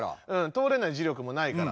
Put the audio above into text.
通れない磁力もないから。